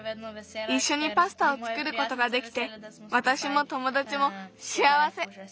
いっしょにパスタをつくることができてわたしもともだちもしあわせ。